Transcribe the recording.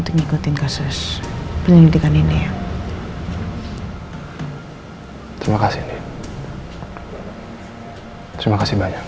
terima kasih banyak